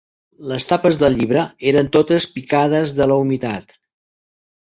Les tapes del llibre eren totes picades de la humitat.